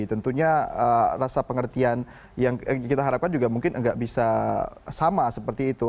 tentunya rasa pengertian yang kita harapkan juga mungkin nggak bisa sama seperti itu